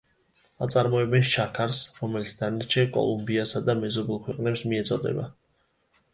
აწარმოებენ შაქარს, რომელიც დანარჩენ კოლუმბიასა და მეზობელ ქვეყნებს მიეწოდება.